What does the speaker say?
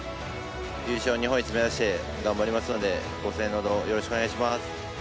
優勝、日本一を目指して頑張りますので、ご声援のほど、よろしくお願いします。